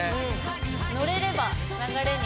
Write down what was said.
「のれれば流れに」